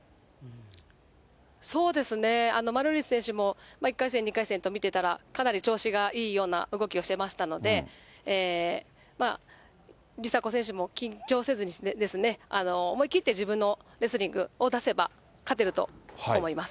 そうですね、マルーリス選手も１回戦、２回戦と見てたら、かなり調子がいいような動きをしてましたので、梨紗子選手も緊張せず、思い切って自分のレスリングを出せば勝てると思います。